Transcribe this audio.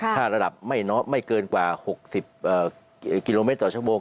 ถ้าระดับไม่เกินกว่า๖๐กิโลเมตรต่อชั่วโมง